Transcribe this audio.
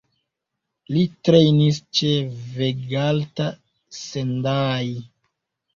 Li trejnis ĉe Vegalta Sendai.